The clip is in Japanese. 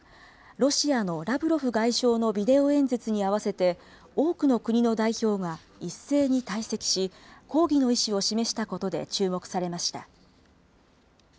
ロシアのラブロフ外相のビデオ演説に合わせて、多くの国の代表が一斉に退席し、抗議の意思を示したことで注目されました。